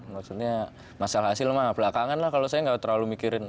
maksudnya masalah hasil mah belakangan lah kalau saya nggak terlalu mikirin